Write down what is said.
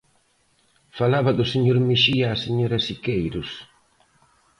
Falaba do señor Mexía a señora Siqueiros.